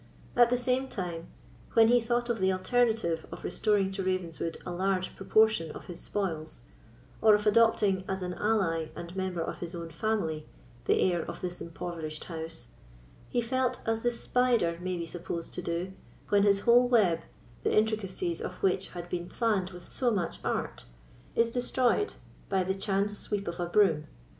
At the same time, when he thought of the alternative of restoring to Ravenswood a large proportion of his spoils, or of adopting, as an ally and member of his own family, the heir of this impoverished house, he felt as the spider may be supposed to do when his whole web, the intricacies of which had been planned with so much art, is destroyed by the chance sweep of a broom.